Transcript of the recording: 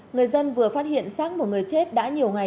người dân vừa phát hiện xác một người chết đã nhiều ngày